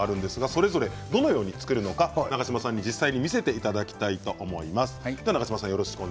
それぞれ、どのように作るのか長島さんに見せていただきたいと思います。